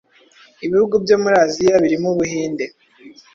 ibihugu byo muri Aziya birimo Ubuhinde